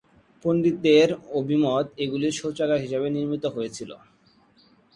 পন্ডিতদের অভিমত এগুলি শৌচাগার হিসেবে নির্মিত হয়েছিলো।